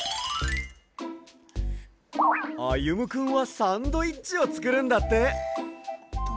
あゆむくんはサンドイッチをつくるんだって。